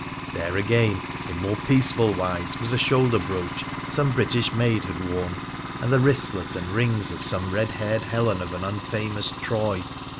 There again, in more peaceful wise, was a shoulder brooch some British maid had worn, and the wristlet and rings of some red haired Helen of an unfamous Troy.